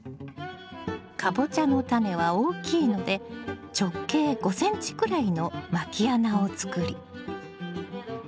カボチャのタネは大きいので直径５ｃｍくらいのまき穴を作り